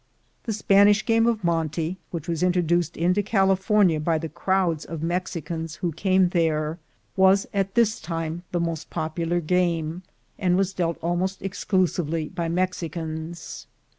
The Spanish game of monte, which was introduced into California by the crowds of Mexicans who came A CITY IN THE MAKING 69 there, was at this time the most popular game, and was dealt almost exclusively by Mexicans.